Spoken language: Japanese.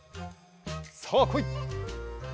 さあこい。